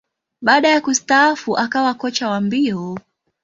Baada ya kustaafu, akawa kocha wa mbio.